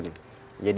ini kita ada